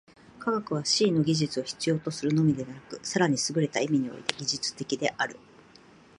科学は思惟の技術を必要とするのみでなく、更にすぐれた意味において技術的である。